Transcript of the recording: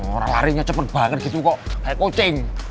orang larinya cepet banget gitu kok kayak kucing